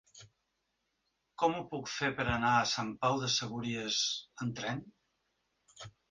Com ho puc fer per anar a Sant Pau de Segúries amb tren?